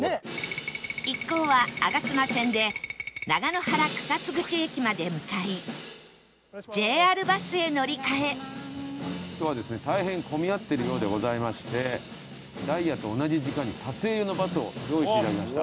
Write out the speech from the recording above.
一行は吾妻線で長野原草津口駅まで向かい ＪＲ バスへ乗り換え今日はですね大変混み合っているようでございましてダイヤと同じ時間に撮影用のバスを用意していただきました。